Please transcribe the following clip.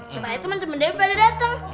cuma aja temen temen debbie pada dateng